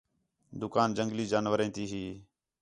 دُکان جنگلی جانوریں تی ہی